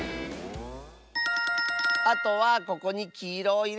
あとはここにきいろをいれるんだね！